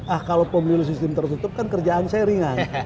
ah kalau pemilu sistem tertutup kan kerjaan saya ringan